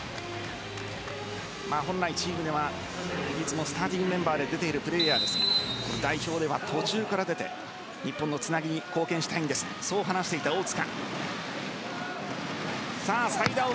本来、チームではスターティングメンバーで出ているプレーヤーですが代表では途中から出て日本のつなぎに貢献したいんですと話していた大塚。